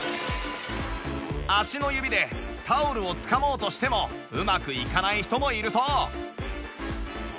足の指でタオルをつかもうとしてもうまくいかない人もいるそう